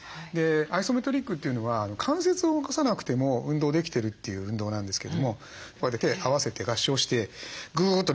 アイソメトリックというのは関節を動かさなくても運動できてるという運動なんですけれどもこうやって手合わせて合掌してグーッと両側から押すだけでいいです。